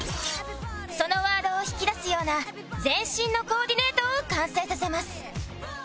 そのワードを引き出すような全身のコーディネートを完成させます